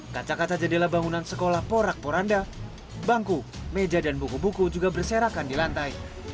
kaca kaca jendela bangunan sekolah porak poranda bangku meja dan buku buku juga berserakan di lantai